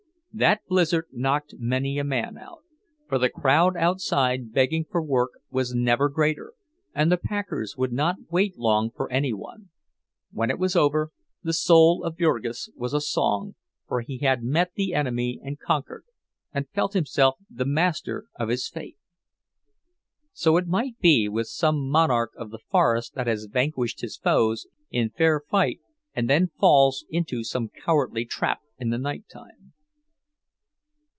That blizzard knocked many a man out, for the crowd outside begging for work was never greater, and the packers would not wait long for any one. When it was over, the soul of Jurgis was a song, for he had met the enemy and conquered, and felt himself the master of his fate.—So it might be with some monarch of the forest that has vanquished his foes in fair fight, and then falls into some cowardly trap in the night time.